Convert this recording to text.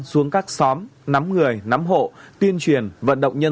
xuống các xóm nắm người nắm hộ tuyên truyền vận động vũ trang